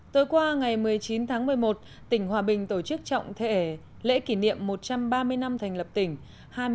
tối qua ngày một mươi chín tháng một mươi một tỉnh hòa bình tổ chức trọng thể lễ kỷ niệm một trăm ba mươi năm thành lập tỉnh